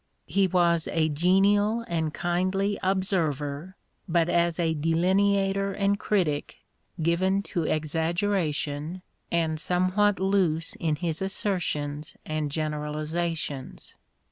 He was a genial and kindly observer, but as a delineator and critic given to exaggeration and somewhat loose, in his assertions and generalisations.